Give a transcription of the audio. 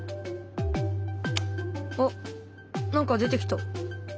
あっ何か出てきた。